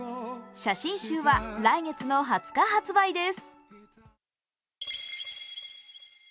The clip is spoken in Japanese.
写真集は来月の２０日発売です。